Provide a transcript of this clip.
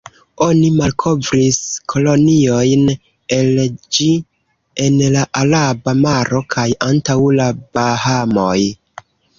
Oni malkovris koloniojn el ĝi en la Araba maro kaj antaŭ la Bahamoj.